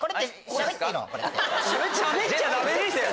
しゃべっちゃダメですよ！